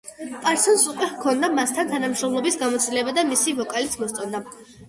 პარსონსს უკვე ჰქონდა მასთან თანამშრომლობის გამოცდილება და მისი ვოკალიც მოსწონდა.